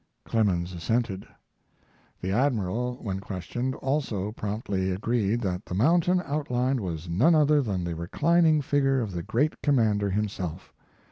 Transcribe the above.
Clemens assented. The Admiral, when questioned, also promptly agreed that the mountain outlined was none other than the reclining figure of the great commander himself.